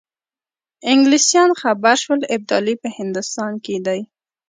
انګلیسان خبر شول ابدالي په هندوستان کې دی.